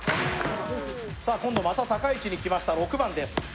また高い位置に来ました６番です。